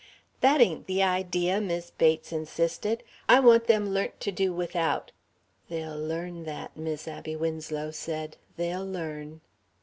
"That ain't the idea," Mis' Bates insisted; "I want them learnt to do without " ("They'll learn that," Mis' Abby Winslow said; "they'll learn....")